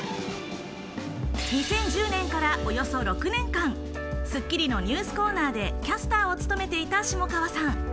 ２０１０年からおよそ６年間、『スッキリ』のニュースコーナーでキャスターを務めていた下川さん。